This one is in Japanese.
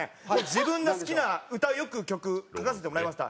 自分が好きなよく歌う曲書かせてもらいました。